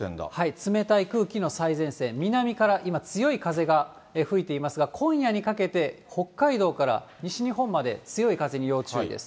冷たい空気の最前線、南から今、強い風が吹いていますが、今夜にかけて、北海道から西日本まで強い風に要注意です。